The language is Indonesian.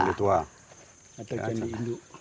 atau candi induk